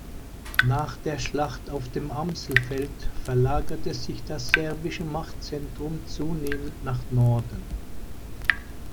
Nach der Schlacht auf dem Amselfeld verlagerte sich das serbische Machtzentrum zunehmend nach Norden.